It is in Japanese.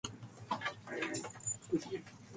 頭が痛いときは寝るのが一番。